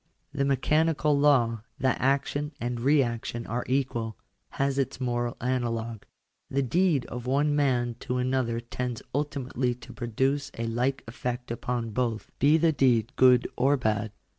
The mechani cal law, that action and reaction are equal, has its moral ana ' logue. The deed of one man to another tends ultimately to ! produce a like effect upon both, be the deed good or bad.